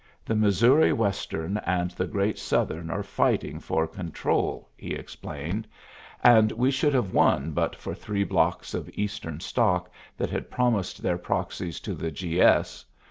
"The Missouri Western and the Great Southern are fighting for control," he explained, "and we should have won but for three blocks of Eastern stock that had promised their proxies to the G. S.